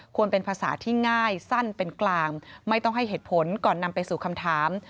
เป็นภาษาที่ง่ายสั้นเป็นกลางไม่ต้องให้เหตุผลก่อนนำไปสู่คำถาม